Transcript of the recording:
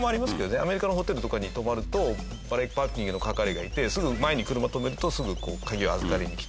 アメリカのホテルとかに泊まるとバレーパーキングの係がいてすぐ前に車止めるとすぐ鍵を預かりに来て。